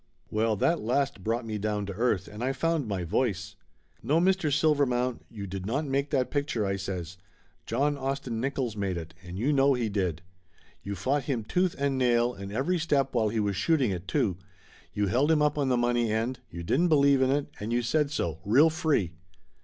Well, that last brought me down to earth and I found my voice. "No, Mr. Silvermount, you did not make that pic Laughter Limited 221 ture," I says. "John Austin Nickolls made it, and you know he did. You fought him tooth and nail and every step while he was shooting it too. You held him up on the money end, you didn't believe in it, and you said so, real free.